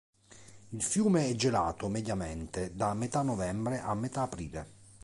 Il fiume è gelato, mediamente, da metà novembre a metà aprile.